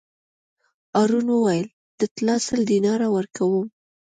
هارون وویل: د طلا سل دیناره ورکووم.